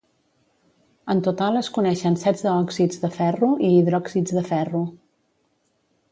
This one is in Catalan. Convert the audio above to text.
En total, es coneixen setze òxids de ferro i hidròxids de ferro.